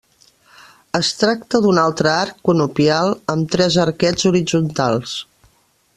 Es tracta d'un altre arc conopial amb tres arquets horitzontals.